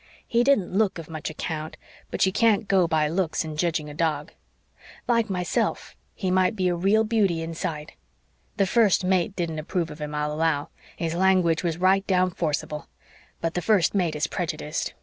"He didn't LOOK of much account, but you can't go by looks in jedging a dog. Like meself, he might be a real beauty inside. The First Mate didn't approve of him, I'll allow. His language was right down forcible. But the First Mate is prejudiced.